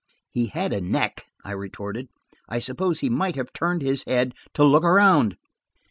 "He had a neck," I retorted. "I suppose he might have turned his head to look around."